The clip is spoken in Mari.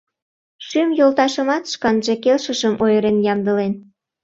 Шӱм йолташымат шканже келшышым ойырен ямдылен.